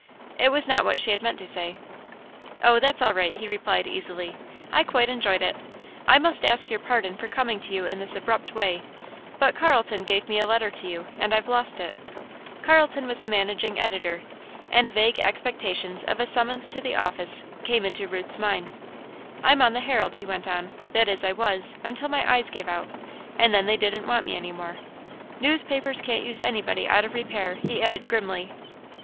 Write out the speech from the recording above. It was not what she had meant to say. "Oh, that's all right," he replied, easily; "I quite enjoyed it. I must ask your pardon for coming to you in this abrupt way, but Carlton gave me a letter to you, and I've lost it." Carlton was the managing editor, and vague expectations of a summons to the office came into Ruth's mind. "I'm on The Herald," he went on; "that is, I was, until my eyes gave out, and then they didn't want me any more. Newspapers can't use anybody out of repair," he added, grimly.